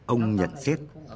ông nhận xét